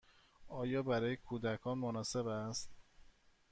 آیا برای کودکان مناسب است؟